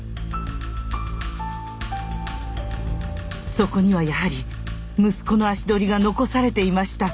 そこにはやはり息子の足取りが残されていました。